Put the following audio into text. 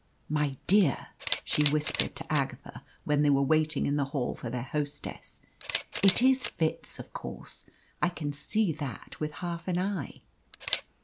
"My dear," she whispered to Agatha, when they were waiting in the hall for their hostess, "it is Fitz, of course. I can see that with half an eye."